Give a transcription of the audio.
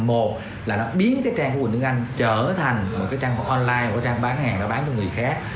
một là nó biến cái trang của quỳnh ngân anh trở thành một cái trang online một cái trang bán hàng để bán cho người khác